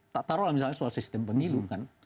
tak taruh dalam misalnya soal sistem penilu kan